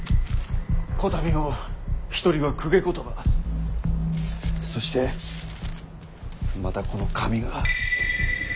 こたびも一人が公家言葉そしてまたこの紙が。